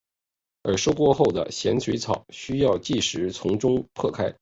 而收割后的咸水草需要即时从中间破开。